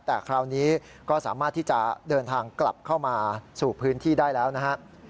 แต่คราวนี้ก็สามารถที่จะเดินทางกลับเข้ามาสู่พื้นที่ได้แล้วนะฮะ